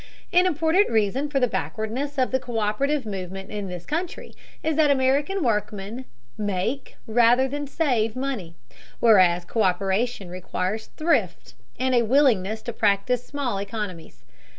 An important reason for the backwardness of the co÷perative movement in this country is that American workmen "make, rather than save money," whereas co÷peration requires thrift, and a willingness to practice small economies.